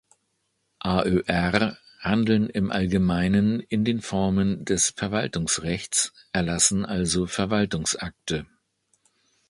AöR handeln im Allgemeinen in den Formen des Verwaltungsrechts, erlassen also Verwaltungsakte.